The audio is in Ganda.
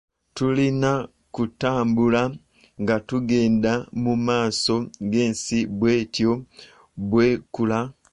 Tulina kutambula nga tugenda mu maaso ensi bw'etyo bw'ekula.